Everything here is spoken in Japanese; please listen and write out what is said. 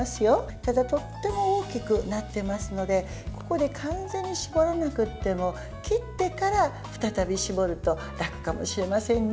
ただとっても大きくなっていますのでここで完全に絞らなくても切ってから再び絞ると楽かもしれませんね。